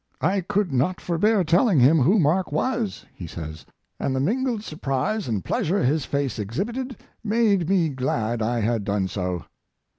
"I could not forbear telling him who Mark was," he says, "and the mingled surprise and pleasure his face exhibited made me glad I had done so."